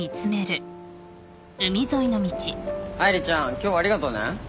愛梨ちゃん今日はありがとね。